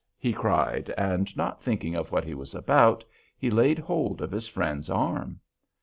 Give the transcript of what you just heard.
he cried, and not thinking of what he was about, he laid hold of his friend's arm.